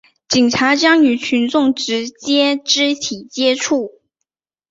警察将与群众直接肢体接触